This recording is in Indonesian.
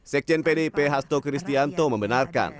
sekjen pdip hasto kristianto membenarkan